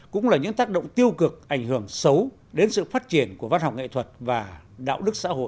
cũng là những tác động tiêu cực ảnh hưởng xấu đến sự phát triển của văn học nghệ thuật và đạo đức xã hội